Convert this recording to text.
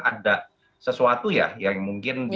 ada sesuatu ya yang mungkin